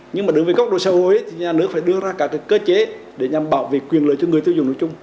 nhưng mà đối với góc độ xã hội thì nhà nước phải đưa ra các cơ chế để nhằm bảo vệ quyền lợi cho người tiêu dùng nói chung